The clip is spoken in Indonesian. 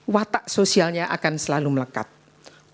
watak sosialnya akan selalu melekat